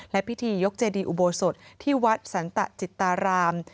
และพิธียกเจดีอุโบสถที่วัดสันตะจิตาราม